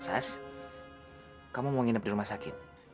sas kamu mau nginep di rumah sakit